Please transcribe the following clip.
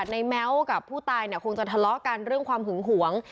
แม้วกับผู้ตายเนี่ยคงจะทะเลาะกันเรื่องความหึงหวง